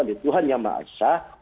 oleh tuhan yang maha sah